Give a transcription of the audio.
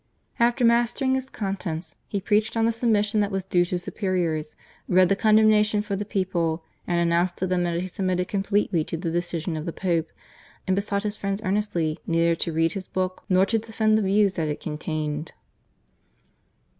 After mastering its contents he preached on the submission that was due to superiors, read the condemnation for the people, and announced to them that he submitted completely to the decision of the Pope, and besought his friends earnestly neither to read his book nor to defend the views that it contained.